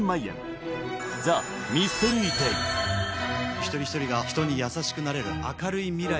一人一人が人に優しくなれる明るい未来へと。